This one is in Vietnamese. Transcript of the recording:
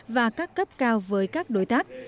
và các cấp cao với các đối tác